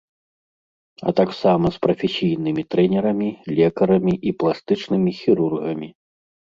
А таксама з прафесійнымі трэнерамі, лекарамі і пластычнымі хірургамі.